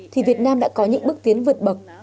thì việt nam đã có những bước tiến vượt bậc